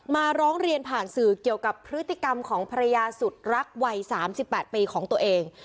มาร้องเรียนผ่านสื่อเกี่ยวกับพฤติกรรมของภรรยาสุดรักวัย๓๘ปีของตัวเอง